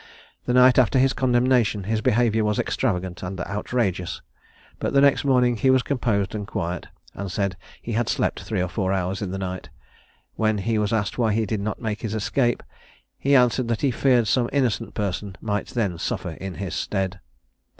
The night after his condemnation, his behaviour was extravagant and outrageous; but the next morning he was composed and quiet, and said he had slept three or four hours in the night. When he was asked why he did not make his escape, he answered that he feared some innocent person might then suffer in his stead.